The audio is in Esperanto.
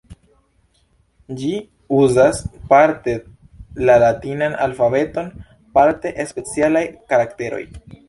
Ĝi uzas parte la latinan alfabeton, parte specialaj karakteroj.